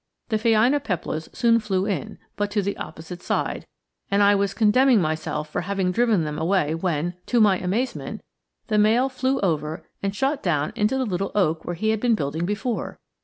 The phainopeplas soon flew in, but to the opposite side, and I was condemning myself for having driven them away when, to my amazement, the male flew over and shot down into the little oak where he had been building before!